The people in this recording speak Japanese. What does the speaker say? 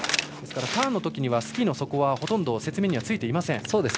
ですからターンのときにはスキーの底はほとんど雪面にはついていません。